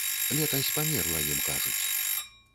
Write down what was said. Летась памерла, ім кажуць.